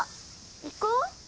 行こう！